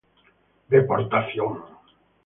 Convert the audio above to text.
Deportación